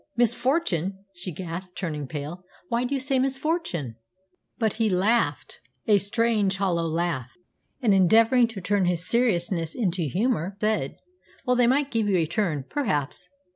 "Misfortune!" she gasped, turning pale. "Why do you say misfortune?" But he laughed a strange, hollow laugh, and, endeavouring to turn his seriousness into humour, said, "Well, they might give you a turn, perhaps.